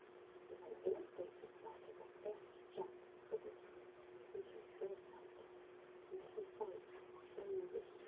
'If I don't break his back at the first jump,' said Rikki, 'he can still fight; and if he fights O Rikki!'